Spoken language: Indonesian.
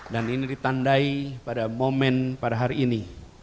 ini ditandai pada momen pada hari ini